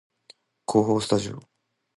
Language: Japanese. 構法スタジオ